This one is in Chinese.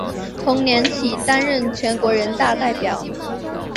同年起担任全国人大代表。